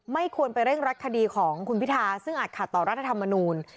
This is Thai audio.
ไม่ควรไปเร่งรัดคดีของคุณพิทาซึ่งอาจขัดต่อรัฐธรรมนูล